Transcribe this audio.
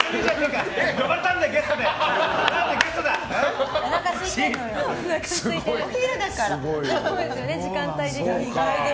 呼ばれたんだ、ゲストで！